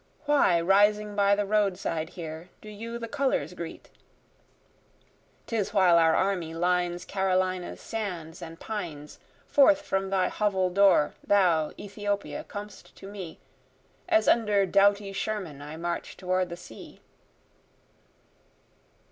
Why rising by the roadside here, do you the colors greet? ('Tis while our army lines Carolina's sands and pines, Forth from thy hovel door thou Ethiopia com'st to me, As under doughty Sherman I march toward the sea.)